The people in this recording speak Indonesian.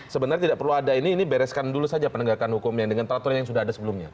sebenarnya tidak perlu ada ini ini bereskan dulu saja penegakan hukumnya dengan peraturan yang sudah ada sebelumnya